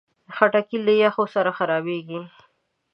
خټکی له یخو سره خرابېږي.